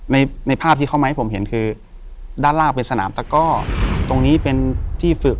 ในในภาพที่เข้ามาให้ผมเห็นคือด้านล่างเป็นสนามตะก้อตรงนี้เป็นที่ฝึก